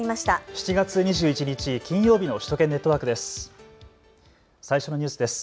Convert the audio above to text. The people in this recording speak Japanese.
７月２１日、金曜日の首都圏ネットワークです。